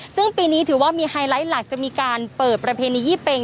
ซึ่งปีนี้ถือว่ามีไฮไลท์หลักจะมีการเปิดประเพณียี่เป็ง